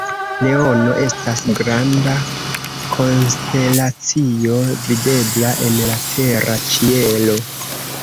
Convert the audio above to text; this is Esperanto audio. Leono estas granda konstelacio videbla en la tera ĉielo.